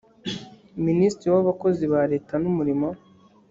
minisitiri w abakozi ba leta n umurimo